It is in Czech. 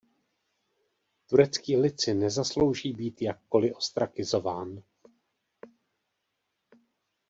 Turecký lid si nezaslouží být jakkoli ostrakizován.